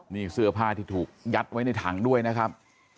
นี่เสื้อผ้าที่ถูกยัดไว้ในถังด้วยนะครับ